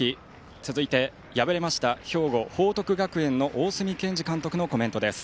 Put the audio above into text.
続いて敗れました兵庫・報徳学園の大角健二監督のコメントです。